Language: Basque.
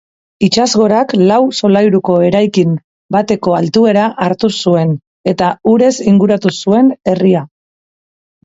Itsasgorak lau solairuko erakin bateko altuera hartu zuen eta urez inguratu zuen herria.